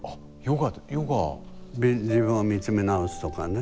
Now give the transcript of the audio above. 自分を見つめ直すとかね。